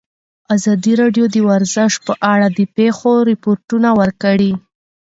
ازادي راډیو د ورزش په اړه د پېښو رپوټونه ورکړي.